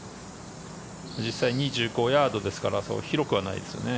実際２５ヤードですからそう広くはないですよね。